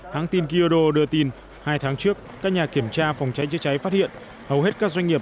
hãng tin kyodo đưa tin hai tháng trước các nhà kiểm tra phòng cháy chữa cháy phát hiện hầu hết các doanh nghiệp